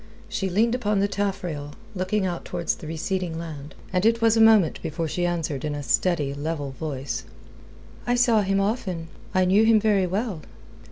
She leaned upon the taffrail, looking out towards the receding land, and it was a moment before she answered in a steady, level voice: "I saw him often. I knew him very well."